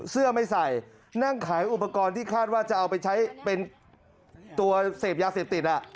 เสื้อไม่ใส่นั่งขายอุปกรณ์ที่คาดว่าจะเอาไปใช้เป็นตัวเสพยาเสพติด